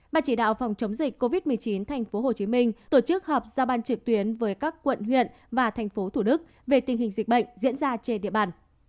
bà chỉ đạo phòng chống dịch covid một mươi chín tp hcm tổ chức họp ra ban trực tuyến với các quận huyện và tp thủ đức về tình hình dịch bệnh diễn ra trên địa bàn